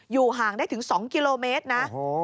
ห่างได้ถึง๒กิโลเมตรนะ